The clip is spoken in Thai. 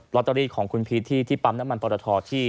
อตเตอรี่ของคุณพีชที่ปั๊มน้ำมันปรทที่